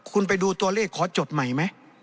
คุณไปดูตัวเลขขอจดใหม่ไหม